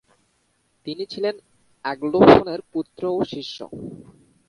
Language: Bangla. তিনি ছিলেন অ্যাগ্লোফোনের পুত্র ও শিষ্য।